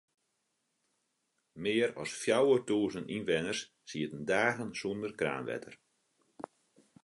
Mear as fjouwertûzen ynwenners sieten dagen sûnder kraanwetter.